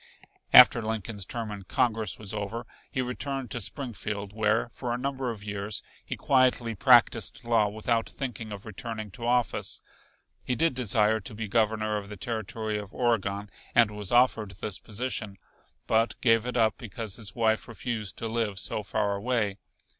After Lincoln's term in Congress was over he returned to Springfield, where, for a number of years, he quietly practised law without thinking of returning to office. He did desire to be Governor of the Territory of Oregon and was offered this position, but gave it up because his wife refused to live so far away.